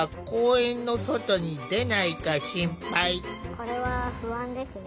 これは不安ですね。